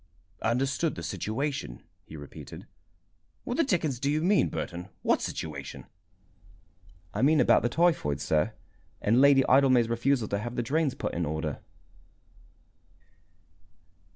"Understood the situation," he repeated. "What the dickens do you mean, Burton? What situation?" "I mean about the typhoid, sir, and Lady Idlemay's refusal to have the drains put in order."